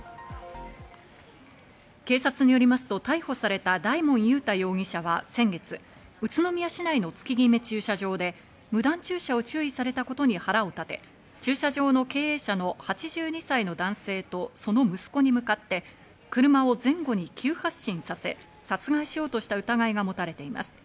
警察によりますと逮捕された大門勇太容疑者は先月、宇都宮市内の月極駐車場で無断駐車を注意されたことに腹を立て、駐車場の経営者の８２歳の男性と、その息子に向かって車を前後に急発進させ、殺害しようとした疑いが持たれています。